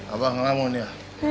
abang ngelamun ya